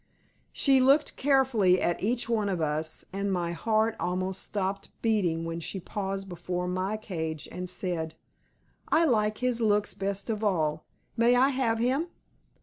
She looked carefully at each one of us and my heart almost stopped beating when she paused before my cage and said, "I like his looks best of all; may I have him?"